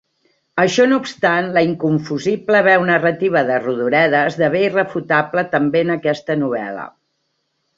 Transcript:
Això no obstant, la inconfusible veu narrativa de Rodoreda esdevé irrefutable també en aquesta novel·la.